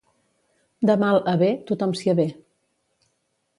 De mal a bé tothom s'hi avé.